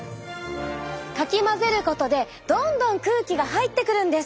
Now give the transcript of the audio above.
かき混ぜることでどんどん空気が入ってくるんです。